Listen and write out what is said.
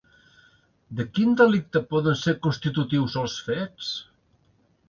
De quin delicte poden ser constitutius els fets?